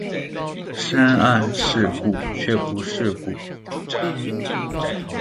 深諳世故卻不世故